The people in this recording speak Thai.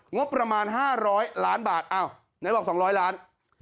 งบประมาณ๕๐๐ล้านบาทอ้าวไหนบอก๒๐๐ล้าน